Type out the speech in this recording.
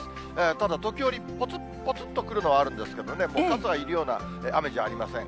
ただ時折、ぽつっぽつっと来るのはあるんですけれどもね、傘はいるような雨じゃありません。